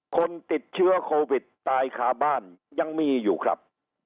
คนติดเชื้อโควิดตายคาบ้านยังมีอยู่ครับ